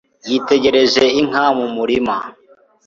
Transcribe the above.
Yitegereje inka mu murima.